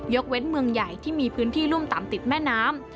เว้นเมืองใหญ่ที่มีพื้นที่รุ่มต่ำติดแม่น้ำ